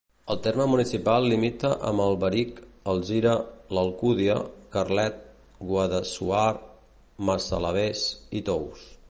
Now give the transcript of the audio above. El terme municipal limita amb Alberic, Alzira, l'Alcúdia, Carlet, Guadassuar, Massalavés i Tous.